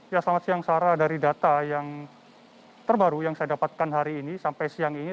ya selamat siang sarah dari data yang terbaru yang saya dapatkan hari ini sampai siang ini